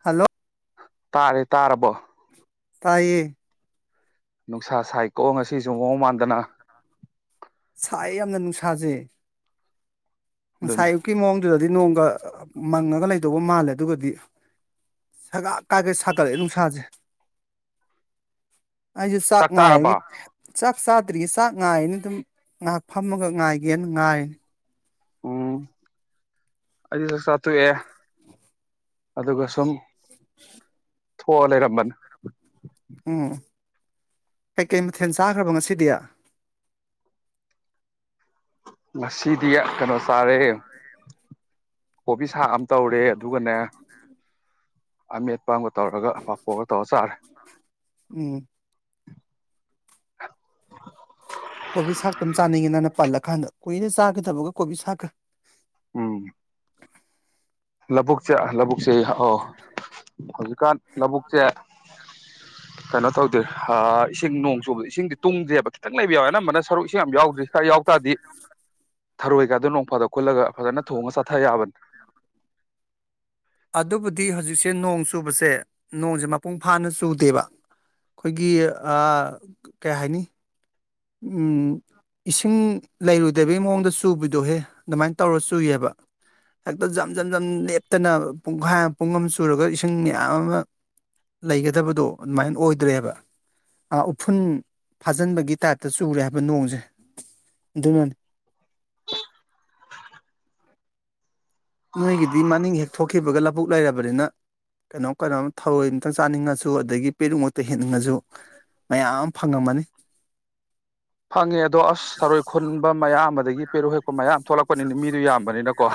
hello ꯇꯥꯔꯦ ꯇꯥꯔꯕꯣ ꯇꯥꯏꯌꯦ ꯅꯨꯡꯁꯥ ꯁꯥꯏꯀꯣꯛ ꯉꯁꯤꯁꯨ ꯃꯑꯣꯡ ꯃꯥꯟꯗꯅ ꯁꯥꯏ ꯌꯥꯝꯅ ꯅꯨꯡꯁꯥꯖ ꯑꯗꯨꯅꯤ ꯁꯥꯏꯨꯀꯤ ꯃꯣꯝꯗꯨꯗ ꯅꯣꯡꯒ ꯃꯪꯉꯒ ꯂꯩꯗꯧꯕ ꯃꯥꯜꯂꯦ ꯑꯗꯨꯒꯗꯤ ꯁꯒꯛ ꯀꯥꯏ ꯀꯩ ꯁꯥꯒꯠꯂꯛꯑꯦ ꯅꯨꯡꯁꯥꯁꯦ ꯑꯩꯁꯨ ꯆꯥꯛ ꯉꯥꯏꯔꯒ ꯆꯥꯛ ꯆꯥꯗ꯭ꯔꯤꯌꯦ ꯆꯥꯛ ꯉꯥꯏꯔꯤꯅꯦ ꯑꯗꯨꯝ ꯉꯥꯏꯍꯥꯛ ꯐꯝꯃꯒ ꯉꯥꯏꯒꯦꯅ ꯉꯥꯏꯔꯤꯅꯤ ꯎꯝ ꯑꯩꯁꯨ ꯆꯥꯛꯆꯥꯊꯣꯛꯑꯦ ꯑꯗꯨꯒ ꯁꯨꯝ ꯊꯣ ꯂꯩꯔꯝꯕꯅꯦ ꯎꯝ ꯀꯩꯀꯩ ꯃꯊꯦꯜ ꯆꯥꯈ꯭ꯔꯕꯣ ꯉꯁꯤꯗꯤ ꯉꯁꯤꯗꯤ ꯀꯩꯅꯣ ꯆꯥꯔꯦ ꯀꯣꯕꯤ ꯁꯥ ꯑꯃ ꯇꯧꯔꯦ ꯑꯗꯨꯒꯅꯦ ꯑꯃꯦꯠꯄꯒ ꯇꯧꯔꯒ ꯄꯄꯣꯛꯑꯒ ꯇꯧꯔ ꯆꯥꯔꯦ ꯎꯝ ꯀꯣꯕꯤ ꯁꯥꯛꯇꯝ ꯆꯥꯅꯤꯡꯉꯦ ꯅꯪꯅ ꯄꯜꯂ ꯀꯥꯟꯗ ꯀꯨꯏꯔꯦ ꯆꯥꯒꯤꯗꯕꯒ ꯀꯣꯕꯤ ꯁꯥꯛꯀ ꯎꯝ ꯂꯥꯕꯨꯛ ꯂꯧꯕꯨꯛꯁꯦ ꯑ ꯍꯧꯖꯤꯛꯀꯥꯟ ꯂꯧꯕꯕꯨꯛꯁꯦ ꯀꯩꯅꯣ ꯇꯧꯗ꯭ꯔꯦ ꯏꯁꯤꯡ ꯅꯣꯡ ꯆꯨꯕꯗ ꯏꯁꯤꯡꯗꯤ ꯇꯨꯡꯗ꯭ꯔꯦꯕ ꯈꯤꯇꯪ ꯂꯩꯕ ꯌꯥꯎꯋꯦ ꯑꯅꯝꯕꯅ ꯁꯔꯨꯛ ꯏꯁꯤꯡ ꯌꯥꯝ ꯌꯥꯎꯗ꯭ꯔꯤ ꯈꯔ ꯌꯥꯎꯇꯥꯗꯤ ꯊꯔꯣꯏꯒꯗꯣ ꯅꯣꯡ ꯐꯥꯗꯣꯛ ꯀꯨꯜꯂꯒ ꯐꯖꯅ ꯊꯣꯡꯉ ꯆꯊꯥ ꯌꯥꯕꯅꯤ ꯑꯗꯨꯕꯨꯗꯤ ꯍꯧꯖꯤꯛꯁꯦ ꯅꯣꯡ ꯆꯨꯕꯁꯦ ꯅꯣꯡꯁꯦ ꯃꯄꯨꯡ ꯐꯥꯅ ꯆꯨꯗꯦꯕ ꯑꯩꯈꯣꯏꯒꯤ ꯀꯩ ꯍꯥꯏꯅꯤ ꯏꯁꯤꯡ ꯂꯩꯔꯨꯗꯕꯩ ꯃꯑꯣꯡꯗ ꯆꯨꯕꯗꯣꯍꯦ ꯑꯗꯨꯃꯥꯏꯅ ꯇꯧꯔ ꯆꯨꯏꯌꯦꯕ ꯍꯦꯛꯇ ꯖꯝ ꯖꯝ ꯖꯝ ꯂꯦꯞꯇꯅ ꯄꯨꯡꯈꯥꯏ ꯑꯃ ꯄꯨꯡ ꯑꯃ ꯆꯨꯔꯒ ꯏꯁꯤꯡ ꯃꯌꯥꯝ ꯑꯃ ꯂꯩꯒꯗꯕꯗꯣ ꯑꯗꯨꯃꯥꯏꯅ ꯑꯣꯏꯗ꯭ꯔꯦꯕ ꯎꯐꯨꯟ ꯐꯥꯖꯤꯟꯕꯒꯤ ꯇꯥꯏꯞ ꯇ ꯆꯨꯔꯦ ꯍꯥꯏꯕ ꯅꯣꯡꯁꯦ ꯑꯗꯨꯅꯅꯤ ꯅꯣꯏꯒꯤꯗꯤ ꯃꯅꯤꯡ ꯍꯦꯛ ꯊꯣꯛꯈꯤꯕꯒ ꯂꯕꯨꯨꯛ ꯂꯩꯔꯕꯅꯤꯅ ꯀꯩꯅꯣꯝ ꯀꯩꯅꯣꯝ ꯊꯑꯣꯏ ꯑꯝꯇꯪ ꯆꯥꯅꯤꯡꯉꯁꯨ ꯑꯗꯒꯤ ꯄꯦꯔꯨꯛꯃꯛꯇ ꯍꯦꯟꯅꯤꯡꯉꯁꯨ ꯃꯌꯥꯝ ꯑꯃ ꯐꯪꯉꯝꯃꯅꯤ ꯐꯪꯉꯦ ꯑꯗꯣ ꯑꯁ ꯊꯔꯣꯏ ꯈꯨꯟꯕ ꯃꯌꯥꯝ ꯑꯃꯗꯒꯤ ꯄꯦꯔꯨꯈꯦꯛꯄ ꯃꯥꯌꯥꯝ ꯊꯣꯛꯂꯛꯄꯅꯤꯅ ꯃꯤꯗꯨ ꯌꯥꯝꯕꯅꯤꯅꯀꯣ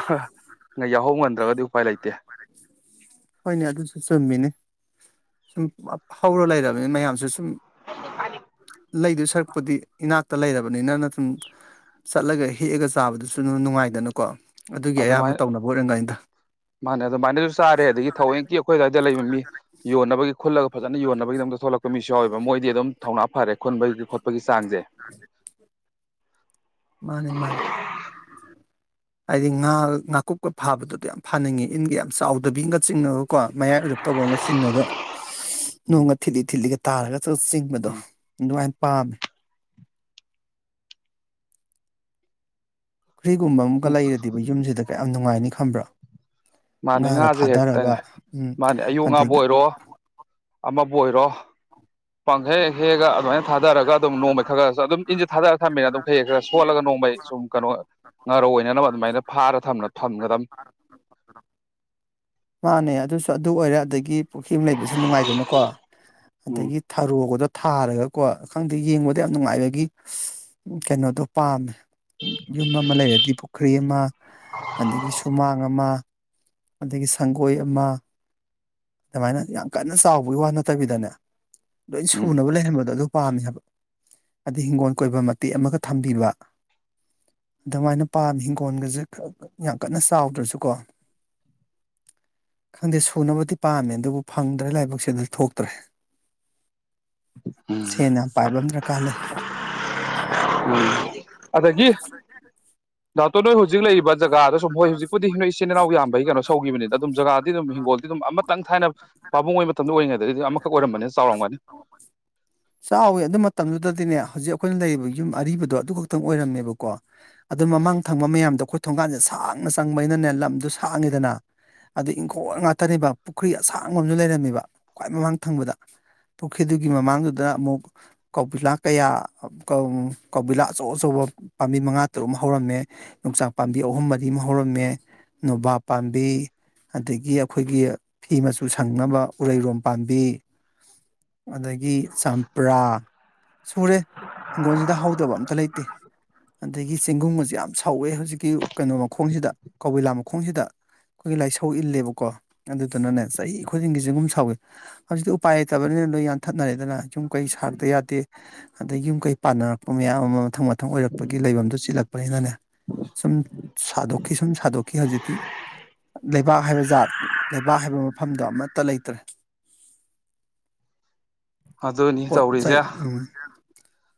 ꯉ ꯌꯥꯎꯍꯧ ꯉꯟꯗ꯭ꯔꯒꯗꯤ ꯎꯄꯥꯏ ꯂꯩꯇꯦ ꯍꯣꯏꯅꯦ ꯑꯗꯨꯁꯨ ꯆꯨꯝꯃꯤꯅꯤ ꯁꯨꯝ ꯍꯧꯔ ꯂꯩꯔꯕꯅꯤ ꯃꯌꯥꯝꯁꯨ ꯁꯨꯝ [unintelligible] ꯂꯩꯗꯨ ꯁꯔꯛꯄꯗꯤ ꯏꯅꯥꯛꯇ ꯂꯩꯔꯕꯅꯤꯅ ꯅꯠꯇꯝ ꯆꯠꯂꯒ ꯍꯦꯛꯑꯒ ꯆꯥꯕꯗꯨꯁꯨ ꯑꯗꯨꯝ ꯅꯨꯡꯉꯥꯏꯗꯅꯀꯣ ꯑꯗꯨꯒꯤ ꯑꯌꯥꯝꯕ ꯑꯗꯨꯃꯥꯏꯅ ꯇꯧꯅꯕ ꯑꯣꯏꯔꯝꯒꯅꯤꯗ ꯃꯥꯅꯦ ꯑꯗꯨꯃꯥꯏꯅꯁꯨ ꯆꯥꯔꯦ ꯑꯗꯒꯤ ꯊꯑꯣꯏꯀꯤ ꯑꯩꯈꯣꯏ ꯑꯗꯨꯋꯥꯏꯗ ꯂꯩꯕ ꯃꯤ ꯌꯣꯟꯅꯕꯒꯤ ꯈꯨꯜꯂꯒ ꯐꯖꯅ ꯌꯣꯟꯅꯕꯒꯤꯗꯃꯛꯇ ꯊꯣꯛꯂꯛꯄ ꯃꯤꯁꯨ ꯌꯥꯎꯋꯦꯕ ꯃꯣꯏꯗꯤ ꯑꯗꯨꯝ ꯊꯧꯅꯥ ꯐꯔꯦ ꯈꯨꯟꯕꯒꯤ ꯈꯣꯠꯄꯒꯤ ꯆꯥꯡꯁꯦ ꯃꯥꯅꯤ ꯃꯥꯅꯤ ꯍꯥꯏꯗꯤ ꯉꯥ ꯉꯥꯀꯨꯞꯀ ꯐꯥꯕꯗꯨꯗꯤ ꯌꯥꯝ ꯐꯥꯅꯤꯡꯉꯤ ꯏꯟꯒ ꯌꯥꯝ ꯆꯥꯎꯗꯕꯤꯒ ꯆꯤꯡꯉꯒꯀꯣ ꯃꯌꯥꯏ ꯑꯣꯏꯔꯞ ꯇꯧꯕ ꯑꯃꯒ ꯆꯤꯡꯉꯒ ꯎꯝ ꯅꯣꯡꯉ ꯊ ꯊꯤꯒ ꯇꯥꯔꯒ ꯆꯤꯡꯕꯗꯣ ꯎꯝ ꯑꯗꯨꯉꯥꯏ ꯄꯝ ꯐ꯭ꯔꯤꯒꯨꯝꯕ ꯑꯃꯨꯛ ꯂꯩꯔꯗꯤ ꯌꯨꯝꯁꯤꯗ ꯀꯌꯥꯝ ꯅꯨꯡꯉꯥꯏꯅꯤ ꯈꯝꯕ꯭ꯔꯥ ꯃꯥꯅꯦ ꯉꯥꯁꯦ ꯍꯦꯛꯇꯅꯦ ꯎꯝ ꯃꯥꯅꯦ ꯑꯌꯨꯛ ꯉꯥꯕꯨ ꯑꯗꯒꯤ ꯑꯣꯏꯔꯣ ꯑꯃꯕꯨ ꯑꯣꯏꯔꯣ ꯄꯪꯈꯦ ꯍꯦꯛꯑꯒ ꯑꯗꯨꯃꯥꯏꯅ ꯊꯥꯗꯔꯒ ꯑꯗꯨꯝ ꯅꯣꯡꯃꯩ ꯈꯔ ꯈꯔ ꯑꯗꯨꯝ ꯏꯟꯁꯦ ꯊꯥꯗꯔ ꯊꯝꯃꯤꯅ ꯑꯗꯨꯝ ꯈꯩ ꯍꯦꯛ ꯈꯔ ꯁꯣꯠꯂꯒ ꯅꯣꯡꯃꯩ ꯁꯨꯝ ꯀꯩꯅꯣ ꯉꯥꯔꯧ ꯑꯣꯏꯅꯅꯕ ꯑꯗꯨꯃꯥꯏꯅ ꯐꯥꯔ ꯊꯝ ꯊꯝꯒꯗ ꯃꯥꯅꯦ ꯑꯗꯨꯁꯨ ꯑꯗꯨ ꯑꯣꯏꯔꯦ ꯑꯗꯒꯤ ꯄꯨꯈ꯭ꯔꯤ ꯑꯃ ꯂꯩꯕꯁꯨ ꯅꯨꯡꯉꯥꯏꯗꯅꯀꯣ ꯎꯝ ꯑꯗꯒꯤ ꯊꯔꯣꯒꯗꯣ ꯊꯥꯔꯒꯀꯣ ꯈꯪꯗꯦ ꯌꯦꯡꯕꯗ ꯌꯥꯝ ꯅꯨꯡꯉꯥꯏꯕꯒꯤ ꯀꯩꯅꯣꯗꯣ ꯄꯥꯝꯃꯦ ꯌꯨꯝ ꯑꯃ ꯂꯩꯔꯗꯤ ꯄꯨꯈ꯭ꯔꯤ ꯑꯃ ꯑꯗꯒꯤ ꯁꯨꯃꯥꯡ ꯑꯃ ꯑꯗꯒꯤꯗꯒꯤ ꯁꯪꯒꯣꯏ ꯑꯃ ꯑꯗꯨꯃꯥꯏꯅ ꯌꯥꯝ ꯀꯟꯅ ꯆꯥꯎꯕꯒꯤ ꯋꯥ ꯅꯠꯇꯕꯤꯗꯅꯦ ꯂꯣꯏ ꯎꯝ ꯁꯨꯅꯕ ꯂꯩꯍꯟꯕꯗꯣ ꯑꯗꯨ ꯄꯥꯝꯃꯦ ꯍꯥꯏꯕ ꯍꯥꯏꯩ ꯍꯤꯡꯒꯣꯜ ꯀꯣꯏꯕ ꯃꯇꯦꯛ ꯑꯃꯒ ꯊꯝꯕꯤꯕ ꯑꯗꯨꯃꯥꯏꯅ ꯄꯥꯝꯃꯤ ꯍꯤꯡꯒꯣꯜꯒꯁꯦ ꯌꯥꯝ ꯀꯟꯅ ꯆꯥꯎꯗ꯭ꯔꯁꯨꯀꯣ ꯈꯪꯗꯦ ꯁꯨꯅꯕꯗꯤ ꯄꯥꯝꯃꯦ ꯑꯗꯨꯕꯨ ꯐꯪꯗ꯭ꯔꯦ ꯂꯥꯏꯕꯛꯁ ꯑꯗꯨ ꯊꯣꯛꯇ꯭ꯔꯦ ꯁꯦꯟ ꯌꯥꯝ ꯄꯥꯏꯕ ꯑꯃ ꯝ ꯗꯔꯀꯥꯔ ꯂꯩ ꯎꯝ ꯑꯗꯒꯤ ꯗꯥꯛꯇꯣ ꯅꯣꯏ ꯍꯧꯖꯤꯛ ꯂꯩꯔꯤꯕ ꯖꯒꯥꯗ ꯁꯨꯝ ꯍꯣꯏ ꯍꯧꯖꯤꯛꯄꯨꯗꯤ ꯅꯣꯏ ꯏꯆꯤꯟ ꯏꯅꯥꯎ ꯌꯥꯝꯕꯒꯤ ꯀꯩꯅꯣ ꯁꯧꯈꯤꯕꯅꯤꯗ ꯑꯗꯨꯝ ꯖꯒꯥꯗꯤ ꯑꯗꯨꯝ ꯍꯤꯡꯒꯣꯜꯗꯤ ꯑꯗꯨꯝ ꯑꯃꯇꯪ ꯊꯥꯏꯅ ꯄꯥꯕꯨꯡꯉꯣꯏ ꯃꯇꯝꯗ ꯑꯣꯏꯔꯤꯉꯩꯗꯗꯤ ꯑꯗꯨꯝ ꯑꯃꯈꯛ ꯑꯣꯏꯔꯝꯕꯅꯤꯅ ꯆꯥꯎꯔꯝꯒꯅꯤ ꯆꯥꯎꯋꯦ ꯑꯗꯨ ꯃꯇꯝꯗꯨꯗꯗꯤꯅꯦ ꯍꯧꯖꯤꯛ ꯑꯩꯈꯣꯏꯅ ꯂꯩꯔꯤꯕ ꯌꯨꯝ ꯑꯔꯤꯕꯗꯣ ꯑꯗꯨ ꯈꯛꯇꯪ ꯑꯣꯏꯔꯝꯃꯦꯕꯀꯣ ꯑꯗꯨ ꯃꯃꯥꯡ ꯊꯪꯕ ꯃꯌꯥꯝꯗꯣ ꯑꯩꯈꯣꯏ ꯊꯣꯡꯒꯥꯟꯁꯦ ꯁꯥꯡꯅ ꯆꯪꯕꯩꯅꯅꯦ ꯂꯝꯗꯣ ꯁꯥꯡꯉꯤꯗꯅ ꯑꯗꯨ ꯏꯪꯈꯣꯜ ꯉꯥꯛꯇꯅꯦꯕ ꯄꯨꯈ꯭ꯔꯤ ꯑꯁꯥꯡꯕ ꯑꯃꯁꯁꯨ ꯂꯩꯔꯝꯃꯦꯕ ꯈ꯭ꯋꯥꯏ ꯃꯃꯥꯡ ꯊꯪꯕꯗ ꯄꯨꯈ꯭ꯔꯤꯗꯨꯒꯤ ꯃꯃꯥꯡꯗꯨꯗ ꯑꯃꯨꯛ ꯀꯧꯕꯤꯂꯥ ꯀꯌꯥ ꯀꯧꯕꯤꯂꯥ ꯑꯆꯧ ꯑꯆꯧꯕ ꯄꯥꯝꯕꯤ ꯃꯉꯥ ꯇꯔꯨꯛ ꯍꯧꯔꯝꯃꯦ ꯌꯣꯡꯆꯥꯛ ꯄꯥꯝꯕꯤ ꯑꯍꯨꯝ ꯃꯔꯤ ꯑꯃ ꯍꯧꯔꯝꯃꯦ ꯅꯣꯕꯥꯞ ꯄꯥꯝꯕꯤ ꯑꯗꯒꯤ ꯑꯩꯈꯣꯏꯒꯤ ꯐꯤ ꯃꯆꯨ ꯁꯪꯅꯕ ꯎꯔꯩꯔꯣꯝ ꯄꯥꯝꯕꯤ ꯑꯗꯒꯤ ꯆꯝꯄ꯭ꯔꯥ ꯁꯨꯔꯦ ꯍꯤꯡꯈꯣꯜꯁꯤꯗ ꯍꯧꯗꯕ ꯑꯝꯇ ꯂꯩꯇꯦ ꯑꯗꯒꯤ ꯆꯦꯡꯒꯨꯝꯁꯦ ꯌꯥꯝ ꯁꯧꯋꯦ ꯍꯧꯖꯤꯛꯀꯤ ꯀꯩꯅꯣ ꯃꯈꯣꯡꯁꯤꯗ ꯀꯏꯂꯥ ꯃꯈꯣꯡꯁꯤꯗ ꯑꯩꯈꯣꯏꯒꯤ ꯂꯥꯏ ꯁꯧ ꯏꯜꯂꯦꯕꯀꯣ ꯑꯗꯨꯗꯨꯅꯅꯦ ꯆꯍꯤ ꯈꯨꯗꯤꯡꯒꯤꯁꯒꯨꯝ ꯁꯥꯎꯋꯤ ꯍꯧꯖꯤꯛꯇꯤ ꯎꯄꯥꯏ ꯂꯩꯇꯕꯅꯤꯅ ꯂꯣꯏ ꯌꯥꯟꯊꯠꯅꯔꯦꯗꯅ ꯌꯨꯝ ꯀꯩ ꯁꯥꯔꯛꯇ ꯌꯥꯗꯦ ꯑꯗꯩ ꯌꯨꯝ ꯀꯩ ꯄꯥꯟꯅꯔꯛꯄ ꯃꯌꯥꯝ ꯑꯃ ꯃꯊꯪ ꯃꯊꯪ ꯑꯣꯏꯔꯛꯄꯒꯤ ꯂꯩꯐꯝꯗꯨꯣ ꯆꯤꯜꯂꯛꯄꯅꯤꯅꯅꯦ ꯁꯨꯝ ꯁꯥꯗꯣꯛꯈꯤ ꯁꯨꯝ ꯁꯥꯗꯣꯛꯈꯤ ꯍꯧꯖꯤꯛꯇꯤ ꯂꯩꯕꯥꯛ ꯍꯥꯏꯕ ꯖꯥꯠ ꯂꯩꯕꯥꯛ ꯍꯥꯏꯕ ꯃꯐꯝꯗꯣ ꯑꯃꯠꯇ ꯂꯩꯇ꯭ꯔꯦ ꯑꯗꯨꯅꯤ ꯄꯣꯠ ꯇꯧꯔꯤꯁꯦ ꯆꯩ ꯎꯝ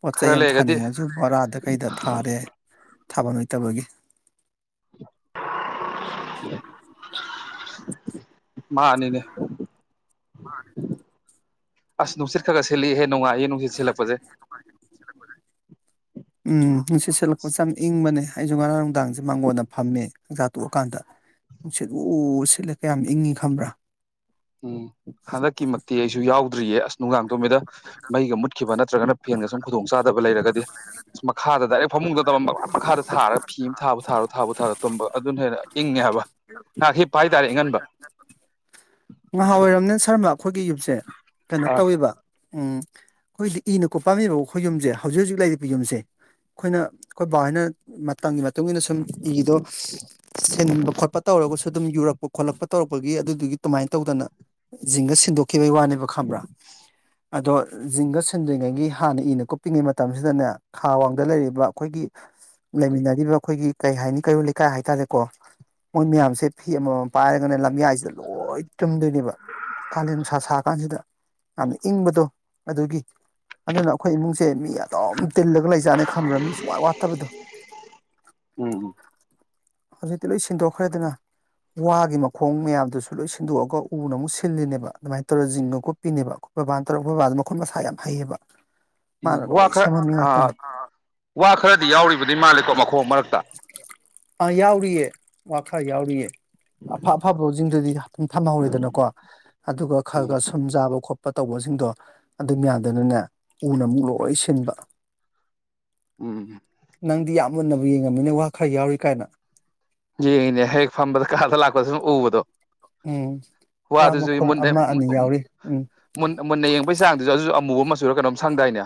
ꯄꯣꯠ ꯈꯔ ꯆꯩꯩ ꯑꯃ ꯂꯩꯔꯒꯗꯤ ꯊꯥꯅꯤꯡꯉꯁꯨ ꯕꯣꯔꯥꯗ ꯀꯩꯗ ꯊꯥꯔꯦ ꯊꯥꯐꯝ ꯂꯩꯇꯕꯒꯤ [unintelligible] ꯃꯥꯅꯤꯅꯦ ꯑꯁ ꯅꯨꯡꯁꯤꯔ ꯀꯒꯦꯜꯂꯤ ꯍ [unintelligible] ꯎꯝ ꯅꯨꯡꯁꯤꯠ ꯁꯠꯂꯛꯄꯁꯦ ꯌꯥꯝ ꯏꯪꯕꯅꯦ ꯑꯩꯁꯨ ꯉꯔꯥꯡ ꯅꯨꯡꯗꯥꯡꯁꯦ ꯃꯥꯡꯒꯣꯟꯅ ꯐꯝꯃꯦ ꯍꯛꯆꯥ ꯇꯣꯛꯑꯀꯥꯟꯗ ꯅꯨꯡꯁꯤꯠꯂꯨ ꯁꯤꯠꯂꯦ ꯀꯌꯥꯝ ꯏꯪꯉꯤ ꯈꯕ꯭ꯔꯥ ꯎꯝ ꯑꯗꯀꯤ ꯃꯦꯁꯨ ꯌꯥꯎ ꯑꯗꯨ꯭ꯔꯤꯌꯦ ꯑꯁ ꯅꯨꯡꯗꯥꯡ ꯇꯧꯝꯃꯤꯗ ꯃꯩꯒ ꯃꯠꯀꯤꯈꯤꯕꯕ [unintelligible] ꯐꯦꯟꯒ ꯁꯨꯝ ꯈꯨꯗꯣꯡ ꯆꯥꯗꯕ ꯂꯩꯔꯒꯗꯤ ꯃꯈꯥꯗ ꯗꯥꯏꯔꯦꯛ ꯐꯃꯨꯡꯗ ꯇꯕ ꯃꯈ ꯃꯈꯥꯗ ꯊꯥꯔꯒ ꯐꯤ ꯑꯃ ꯊꯥꯕꯨ ꯊꯥꯔ ꯊꯥꯕꯨ ꯊꯥꯔ ꯇꯨꯝꯕ ꯑꯗꯨꯅ ꯍꯦꯟꯅ ꯏꯪꯉꯦ ꯍꯥꯏꯕ ꯉꯥꯏꯍꯥꯛ ꯍꯄ ꯍꯥꯏ ꯇꯔꯦ ꯏꯪꯍꯟꯕ ꯅꯍꯥ ꯑꯣꯏꯔꯝ ꯅꯅ ꯁꯔꯃ ꯑꯩꯈꯣꯏꯒꯤ ꯌꯨꯝꯁꯦ ꯀꯩꯅꯣ ꯑ ꯇꯧꯋꯦꯕ ꯎꯝ ꯑꯩꯈꯣꯏꯗꯤ ꯏꯅ ꯣ ꯄꯥꯝꯃꯤꯕ ꯑꯩꯈꯣꯏ ꯌꯨꯝꯁꯦ ꯍꯧꯖꯤꯛ ꯍꯧꯖꯤꯛ ꯂꯩꯔꯤꯕ ꯌꯨꯝꯁꯦ ꯑꯩꯈꯣꯏꯅ ꯑꯩꯈꯣꯏ ꯕꯥꯍꯅ ꯃꯇꯝꯒꯤ ꯃꯇꯨꯡ ꯏꯟꯅ ꯁꯨꯝ ꯏꯗꯣ ꯁꯤꯟꯕ ꯈꯣꯠꯄ ꯇꯧꯔꯒꯁꯨ ꯑꯗꯨꯝ ꯌꯨꯔꯛꯄ ꯈꯣꯠꯂꯛꯄ ꯇꯧꯔꯛꯄꯒꯤ ꯑꯗꯨꯗꯨꯒꯤ ꯑꯗꯨꯃꯥꯏꯅ ꯇꯧꯗꯅ ꯖꯤꯡꯒ ꯁꯤꯟꯗꯣꯛꯈꯤꯕꯒꯤ ꯋꯥꯅꯦꯕ ꯈꯕ꯭ꯔꯥ ꯑꯗꯣ ꯖꯤꯡꯒ ꯁꯤꯟꯗ꯭ꯔꯤꯉꯩ ꯒꯤ ꯍꯥꯟꯅ ꯏꯅ ꯀꯨꯞꯄꯤꯤꯉꯩ ꯃꯇꯝꯁꯤꯗꯅꯦ ꯈꯥ ꯋꯥꯡꯗ ꯂꯩꯔꯤꯕ ꯑꯩꯈꯣꯏꯒꯤ ꯂꯩꯃꯤꯟꯅꯔꯤꯕ ꯑꯩꯈꯣꯏꯒꯤ ꯀꯩ ꯍꯥꯏꯅꯤ ꯀꯩꯔꯣꯜ ꯂꯩꯀꯥꯏ ꯍꯥꯏꯇꯥꯔꯦꯀꯣ ꯃꯣꯏ ꯃꯌꯥꯝꯁꯦ ꯐꯤ ꯑꯃꯃꯝ ꯄꯥꯏꯔꯒꯅꯦ ꯂꯝꯌꯥꯏꯁꯤꯗ ꯂꯣꯏ ꯆꯨꯝꯗꯣꯏꯅꯦꯕ ꯀꯥꯂꯦꯟ ꯅꯨꯡꯁꯥ ꯁꯥ ꯀꯥꯟꯁꯤꯗ ꯌꯥꯝꯅ ꯏꯪꯕꯗꯣ ꯑꯗꯨꯒꯤ ꯑꯗꯨꯅ ꯑꯩꯈꯣꯏ ꯏꯃꯨꯡꯁꯤꯡ ꯁꯦ ꯃꯤ ꯑꯗꯨꯝ ꯇꯤꯜꯂꯒ ꯂꯩꯖꯥꯠꯅꯤ ꯈꯪꯨꯔꯅꯤ ꯁꯨꯡꯋꯥꯥꯏ ꯋꯥꯠꯇꯕꯗꯣ ꯎꯝ ꯍꯧꯖꯤꯛꯇꯤ ꯂꯣꯏ ꯁꯤꯟꯗꯣꯛꯈ꯭ꯔꯦꯗꯅ ꯋꯥꯒꯤ ꯃꯈꯣꯡ ꯃꯌꯥꯝꯗꯨꯁꯨ ꯂꯣꯏ ꯁꯤꯟꯗꯣꯛꯑꯒ ꯎꯅ ꯑꯃꯨꯛ ꯁꯤꯜꯂꯤꯅꯦꯕ ꯑꯗꯨꯃꯥꯏꯅ ꯇꯧꯔꯒ ꯤꯡꯉ ꯈꯣꯠꯄꯤꯅꯦꯕ ꯑꯩꯈꯣꯏ ꯕꯕꯥꯅ ꯇꯧꯔꯒ ꯕꯕꯥꯗꯨꯅ ꯃꯈꯨꯠ ꯃꯁꯥ ꯌꯥꯝ ꯍꯩꯑꯕ [unintelligible] ꯎꯝ ꯋꯥ ꯈꯔ ꯋꯥ ꯈꯔꯗꯤ ꯌꯥꯎꯔꯤꯕꯗꯤ ꯃꯥꯜꯂꯦꯀꯣ ꯃꯈꯣꯏ ꯑ ꯌꯥꯎꯔꯤꯌꯦ ꯈꯔ ꯌꯥꯎꯔꯤꯌꯦ ꯑꯐ ꯑꯐꯕꯁꯤꯡꯗꯨꯗꯤ ꯑꯗꯨꯝ ꯐꯝꯍꯧꯔꯤꯦꯗꯅꯀꯣ ꯑꯗꯨꯒ ꯈꯔ ꯎꯝ ꯈꯔ ꯁꯨꯝ ꯆꯥꯕ ꯈꯣꯠꯄ ꯇꯧꯕꯁꯤꯡꯗꯣ ꯑꯗꯨꯝ ꯌꯥꯗꯅꯅꯦ ꯎꯅ ꯑꯃꯨꯛ ꯂꯣꯏ ꯁꯤꯟꯕ ꯎꯝ ꯅꯪꯗꯤ ꯌꯥꯝ ꯃꯨꯟꯅꯕ ꯑꯗꯨ ꯌꯦꯡꯉꯝꯃꯤꯅꯦ ꯋꯥ ꯈꯔ ꯌꯥꯎꯔꯤ ꯀꯥꯏꯅ ꯌꯦꯅꯦ ꯍꯦꯦꯛ ꯐꯝꯕ ꯀ ꯂꯥꯛꯣꯏ ꯎ ꯗꯣ ꯎꯝ ꯋꯥ ꯃꯈꯣꯡ ꯑꯃ ꯑꯅꯤ ꯌꯥꯎꯔꯤ ꯎꯝ ꯃꯨꯟꯅ ꯌꯦꯡꯕꯩ ꯆꯥꯡꯗꯨꯁꯨ ꯑꯗꯨꯁꯨ ꯑꯃꯨꯕ ꯃꯆꯨꯔ ꯀꯣꯝ ꯁꯪꯗꯥꯏꯅꯦ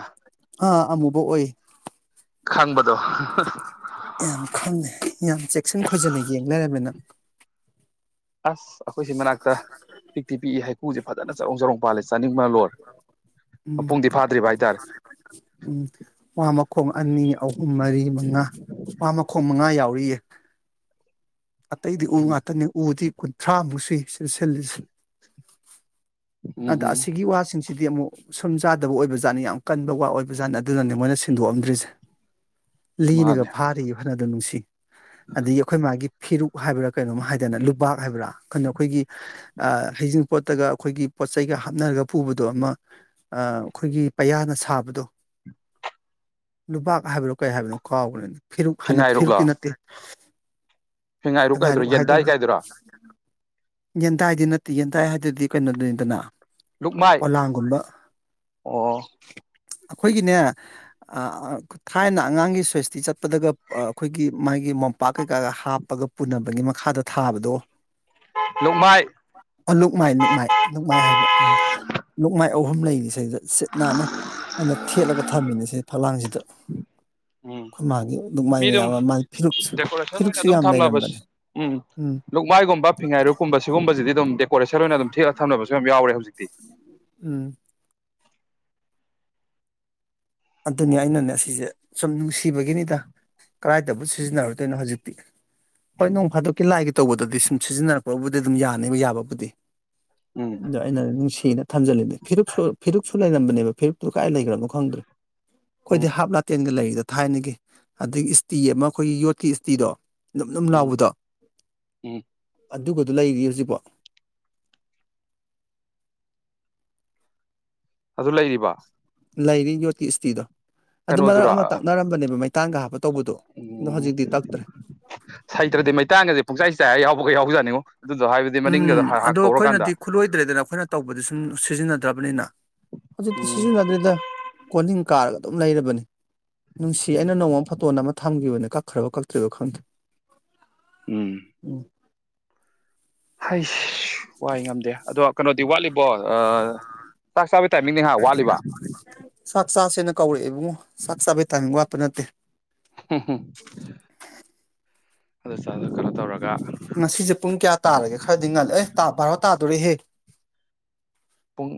ꯑꯥ ꯑꯃꯨꯕ ꯑꯣꯏ ꯈꯪꯕꯗꯣ ꯌꯥꯝ ꯈꯪꯉꯦ ꯌꯥꯝ ꯆꯦꯛꯁꯤꯟ ꯈꯣꯏꯖꯟꯅ ꯌꯦꯡ ꯂꯩꯔꯝꯃꯤꯅ ꯑꯁ ꯑꯩꯈꯣꯏꯁꯤ ꯃꯅꯥꯛꯇ ꯄꯤꯛꯇꯤ ꯄꯤꯛꯏ ꯍꯥꯏ ꯍꯨꯦ ꯐꯅ ꯆꯔꯣꯡ ꯆꯣꯡ ꯄꯜꯂ ꯆꯥꯅꯤꯡ ꯎꯝ ꯍꯥꯏꯇꯥꯔꯦ ꯎꯝ ꯋꯥ ꯃꯈꯣꯡ ꯑꯅꯤ ꯑꯍꯨꯝ ꯃꯔꯤ ꯃꯉꯥ ꯋꯥ ꯃꯈꯣꯡ ꯃꯉꯥ ꯌꯥꯎꯔꯤꯌꯦ ꯑꯇꯩꯗꯤ ꯎ ꯎꯝ ꯉꯥꯛꯇꯅꯦ ꯎꯗꯤ ꯀꯨꯟ ꯊꯔꯥꯃꯨꯛꯁꯤ ꯁꯤ ꯁꯤꯜꯂꯤꯁꯤ ꯎꯝ ꯑꯗ ꯎꯝ ꯁꯤꯒꯤ ꯋꯥꯁꯤ ꯁꯤꯗꯤ ꯑꯃꯨꯛ ꯁꯨꯝ ꯆꯥꯗꯕꯖꯥꯠꯅꯤ ꯌꯥꯝ ꯀꯟꯕ ꯋꯥ ꯑꯣꯏꯕꯖꯥꯠꯅꯤ ꯑꯗꯨꯅꯅꯦ ꯃꯣꯏꯅ ꯁꯤꯟꯗꯣꯛꯑꯝꯗ꯭ꯔꯤꯁꯦ ꯂꯤꯅꯒ ꯃꯥꯅꯦ ꯐꯥꯔꯤꯨ ꯈ ꯑꯗꯨ ꯅꯨꯡꯁꯤ ꯑꯗꯒꯤ ꯑꯩꯈꯣꯏ ꯃꯥꯒꯤ ꯐꯤꯔꯨꯛ ꯍꯥꯏꯕ꯭ꯔꯥ ꯀꯩꯅꯣꯝꯃ ꯍꯥꯏꯗꯅ ꯂꯨꯕꯥꯛ ꯍꯥꯏꯕ꯭ꯔꯥ ꯀꯩꯅꯣ ꯑꯩꯈꯣꯏꯒꯤ ꯍꯩꯖꯤꯡꯄꯣꯠꯇꯒ ꯑꯩꯈꯣꯏꯒꯤ ꯄꯣꯠ ꯆꯩꯒ ꯍꯥꯞꯅꯔꯒ ꯄꯨꯕꯗꯣ ꯑꯃ ꯑꯩꯈꯣꯏꯒꯤ ꯄꯌꯥꯅ ꯁꯥꯕꯗꯣ ꯂꯨꯕꯥꯛ ꯍꯥꯏꯕꯅꯣ ꯀꯩ ꯍꯥꯏꯕꯅꯣ ꯀꯥꯎꯕꯅꯣꯅ ꯐꯦꯔꯨꯛ ꯍꯅ ꯐꯦꯔꯨꯛꯇꯤ ꯐꯤꯉꯥꯏꯔꯨꯛꯂꯣ ꯅꯠꯇꯦ ꯐꯤꯉꯥꯏꯔꯨꯛ ꯀꯥꯏꯗꯨꯔꯥ ꯁꯉꯥꯏꯔꯛ ꯌꯦꯟꯗꯥꯏ ꯍꯥꯏꯗꯅ ꯀꯥꯏꯗꯨꯔꯥ ꯌꯦꯟꯗꯥꯏꯗꯤ ꯅꯠꯇꯦ ꯌꯦꯟꯗꯥꯏ ꯍꯥꯏꯗꯨꯗꯤ ꯀꯩꯅꯣꯗꯅꯤꯗꯅ ꯂꯨꯞꯃꯥꯏ ꯑꯣ ꯑꯩꯈꯣꯏꯒꯤꯅꯦ ꯊꯥꯏꯅ ꯑꯉꯥꯡꯒꯤ ꯁ꯭ꯋꯦꯁꯇꯤ ꯆꯠꯄꯗꯒ ꯑꯩꯈꯣꯏꯒꯤ ꯃꯥꯒꯤ ꯃꯣꯝꯄꯥꯛ ꯀꯩꯀꯥꯒ ꯍꯥꯞꯄꯒ ꯄꯨꯅꯕꯒꯤ ꯃꯈꯥꯗ ꯊꯥꯕꯗꯣ ꯂꯨꯛꯃꯥꯏ ꯑ ꯂꯣꯛꯃꯥꯏ ꯂꯣꯛꯃꯥꯏ ꯂꯣꯛꯃꯥꯏ ꯍꯥꯏꯕ ꯄꯛꯃꯥꯏ ꯑꯍꯨꯝ ꯂꯩꯔꯤꯁꯤꯗ ꯁꯤꯠ ꯅꯥꯟꯅ ꯑꯩꯅ ꯊꯦꯠꯂꯒ ꯊꯝꯃꯤꯅꯦ ꯁꯤ ꯐꯛꯂꯥꯡꯁꯤꯗ ꯎꯝ ꯑꯩꯈꯣꯏ ꯃꯥꯒꯤ ꯂꯨꯛꯃꯥꯏ ꯃꯤ ꯑꯗꯨꯝ ꯃꯌꯥꯝ ꯑꯃ ꯃꯥꯒꯤ ꯐꯤꯔꯨꯛꯁꯨ ꯗꯦꯀꯣꯔꯦꯁꯟ ꯑꯣꯏꯅ ꯐꯤꯔꯨꯛꯁꯨ ꯑꯗꯨꯝ ꯌꯥꯝ ꯊꯝꯅꯕ ꯂꯩꯔꯝꯕꯅꯦ ꯎꯝ ꯂꯨꯛꯃꯥꯏꯒꯨꯝꯕ ꯐꯤꯉꯥꯏꯔꯨꯛꯀꯨꯝꯕ ꯁꯤꯒꯨꯝꯕꯁꯤꯗꯤ ꯦꯀꯦꯟ ꯁꯠ ꯑꯣꯏꯅ ꯑꯗꯨꯝ ꯊꯤꯑ ꯊꯝꯅꯕꯁꯨ ꯌꯥꯝ ꯌꯥꯎꯔꯦ ꯍꯧꯖꯤꯛꯇꯤ ꯎꯝ ꯑꯗꯨꯅꯤ ꯑꯩꯅꯅꯦ ꯁꯤꯁꯦ ꯁꯨꯝ ꯅꯨꯡꯁꯤꯕꯒꯤꯅꯤꯗ ꯀꯗꯥꯏꯗꯕꯨ ꯁꯤꯖꯤꯟꯅꯔꯗꯣꯏꯅꯣ ꯍꯧꯖꯤꯛꯇꯤ ꯍꯣꯏꯅꯣ ꯐ ꯑꯗꯨ ꯀꯂ ꯍꯥꯏꯒꯦ ꯇꯧꯕꯗꯗꯤ ꯁꯨꯝ ꯁꯤꯖꯤꯟꯅꯔꯛꯄꯕꯨꯗꯤ ꯑꯗꯨꯝ ꯌꯥꯅꯤ ꯌꯥꯕꯕꯨꯗꯤ ꯎꯝ ꯑ ꯑꯩꯅ ꯅꯨꯡꯁꯤꯅ ꯊꯝꯖꯅꯤꯡꯅꯦꯦ ꯐꯤꯔ ꯐꯤꯔ ꯁꯨ ꯂꯩꯔꯝꯕꯅꯦ ꯐꯤꯞꯨ ꯀꯥꯏ ꯂꯩꯈ꯭ꯔꯅꯣ ꯈꯪꯗ꯭ꯔꯦ ꯎꯝ ꯑꯩꯈꯣꯏꯗꯤ ꯍꯥꯞ ꯇꯦꯟꯗ ꯂꯩꯌꯦ ꯁꯤꯗ ꯊꯥꯏꯅꯒꯤ ꯑꯗꯒꯤ ꯏꯁꯇꯤ ꯑꯃ ꯑꯩꯈꯣꯏꯒꯤ ꯌꯣꯠꯀꯤ ꯏꯁꯇꯤꯗꯣ ꯂꯝ ꯂꯝ ꯎꯝ ꯂꯥꯎꯕꯗ ꯎꯝ ꯑꯗꯨꯒꯗꯨ ꯂꯩꯔꯤ ꯍꯧꯖꯤꯛꯐꯥꯎ ꯑꯗꯨ ꯂꯩꯔꯤꯕ ꯂꯥꯏꯔꯤ ꯌꯣꯠꯀꯤ ꯏꯁꯇꯤꯗꯣ ꯑꯗꯨ ꯃꯔꯛ ꯀꯩꯅꯣꯗꯨꯔꯥ ꯑꯃ ꯇꯛꯅꯔꯝꯕꯅꯦꯕ ꯃꯩ ꯇꯥꯡꯒ ꯍꯥꯞꯄ ꯇꯧꯕꯗꯣ ꯑꯗꯣ ꯎꯝ ꯍꯧꯖꯤꯛꯇꯤ ꯇꯛꯇ꯭ꯔꯦ ꯍꯩꯇ꯭ꯔꯗꯤ ꯃꯩꯇꯥꯟꯒꯁꯦ ꯄꯨꯡꯆꯥꯏ ꯆꯥꯏꯔ ꯌꯥꯎꯕꯒ ꯌꯥꯎꯖꯥꯠꯅꯦ ꯉ [inaudible] [unintelligible] ꯎꯝ ꯑꯗꯣ ꯑꯩꯈꯣꯏꯅꯗꯤ ꯈꯨꯠꯂꯣꯏꯗ꯭ꯔꯦꯗꯅ ꯑꯩꯈꯣꯏꯅ ꯇꯧꯕꯗꯤ ꯁꯨꯝ ꯁꯤꯖꯤꯟꯅꯗ꯭ꯔꯕꯅꯤꯅ ꯍꯧꯖꯤꯛꯇꯤ ꯎꯝ ꯁꯤꯖꯤꯟꯅꯗ꯭ꯔꯤꯗ ꯀꯣꯟꯍꯤꯡ ꯀꯥꯔꯒ ꯑꯗꯨꯝ ꯂꯩꯔꯕꯅꯤ ꯅꯨꯡꯁꯤ ꯑꯩꯅ ꯅꯣꯡꯃ ꯐꯣꯇꯣꯟ ꯑꯃ ꯊꯝꯈꯤꯕꯅꯦ ꯀꯛꯈ꯭ꯔꯕ ꯀꯛꯇ꯭ꯔꯤꯕ ꯈꯪꯗꯦ ꯎꯝ ꯍꯩꯁ ꯋꯥꯏ ꯉꯝꯗꯦ ꯑꯗꯣ ꯀꯩꯅꯣꯗꯤ ꯋꯥꯠꯂꯤꯀꯣ ꯆꯥꯛ ꯆꯥꯕꯒꯤ ꯇꯥꯏꯃꯤꯡꯅꯤ ꯉꯥꯏꯍꯥꯛ ꯋꯥꯠꯂꯤꯕ ꯆꯥꯛ ꯆꯁꯦꯅ ꯀꯧꯔꯛꯑꯦꯕ ꯑꯃꯨꯛ ꯆꯥꯛꯆꯥꯕꯩ ꯇꯥꯏꯃꯤꯡ ꯋꯥꯠ ꯄ ꯅꯠꯇꯦ [inaudible] [unintelligible] ꯑꯗꯨ ꯀꯩꯅꯣ ꯇꯧꯔꯒ ꯉꯁꯤꯁꯦ ꯄꯨꯡ ꯀꯌꯥ ꯇꯥꯔꯒꯦ ꯈꯔꯗꯤ ꯉꯜꯂꯦ ꯑꯦ ꯇꯥ ꯚꯥꯔꯣ ꯇꯥꯗꯣꯔꯦꯍꯦ ꯄꯨꯡ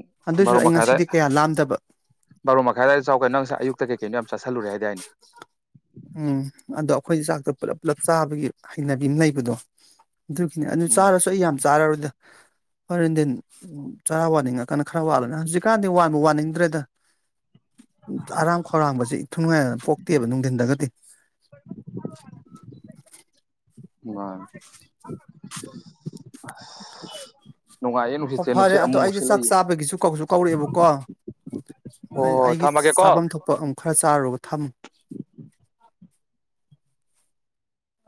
ꯕꯥꯔꯣ ꯑꯗꯨꯏꯁꯨ ꯑꯩ ꯃꯈꯥꯏꯗ ꯉꯁꯤꯗꯤ ꯀꯌꯥ ꯂꯥꯝꯗꯕ ꯕꯥꯔꯣ ꯃꯈꯥꯏ ꯑꯗꯥꯏꯗ ꯆꯥꯎ ꯀꯩꯅꯣ ꯅꯪ ꯉꯁꯥꯏ ꯑꯌꯨꯛꯇ ꯀꯩꯀꯩꯅꯣ ꯌꯥꯝ ꯆꯠꯁꯤꯜꯂꯨꯔꯦ ꯍꯥꯏꯗꯥꯏꯅꯦ ꯎꯝ ꯑꯗꯣ ꯑꯩꯈꯣꯏꯒꯤ ꯆꯥꯛꯇꯣ ꯄꯨꯂꯞ ꯄꯨꯂꯞ ꯆꯥꯕꯒꯤ ꯍꯩꯅꯕꯤ ꯑꯃ ꯂꯩꯕꯗꯣ ꯑꯗꯨꯒꯤꯅꯦ ꯑꯗꯨ ꯎꯝ ꯆꯥꯔꯁꯨ ꯑꯩ ꯌꯥꯝ ꯆꯥꯔꯔꯣꯏꯗ ꯍꯣꯔꯦꯟꯅꯨꯡꯗꯤꯟ ꯆꯔꯥ ꯋꯥꯅꯤꯡꯉꯛꯀꯥꯟꯅ ꯈꯔ ꯋꯥꯠꯂꯣꯅꯦ ꯍꯧꯖꯤꯛꯀꯥꯟꯗꯤ ꯋꯥꯟꯕ ꯋꯥꯅꯤꯡꯗ꯭ꯔꯦꯗ ꯑꯔꯥꯝ ꯈꯧꯔꯥꯡꯕꯁꯦ ꯏꯊꯨꯡꯉꯥꯏꯅ ꯄꯣꯛꯇꯦꯕ ꯅꯨꯡꯊꯤꯟꯗꯒ ꯑꯦ [inaudible] [unintelligible] [inaudible] [unintelligible] ꯍ ꯑꯣ ꯐꯔꯦ ꯑꯗꯣ ꯑꯩꯁꯦ ꯆꯥꯛ ꯆꯥꯕꯒꯤꯁꯨ ꯀꯧꯖꯨ ꯀꯧꯔꯛꯑꯦꯕꯀꯣ ꯍꯣ ꯑꯩ ꯍꯣ ꯑꯩꯒꯤ ꯊꯝꯃꯒꯦꯀꯣ ꯆꯐꯝ ꯊꯣꯛꯄ ꯎꯝ ꯈꯔ ꯆꯥꯔꯨꯕ ꯊꯝꯃ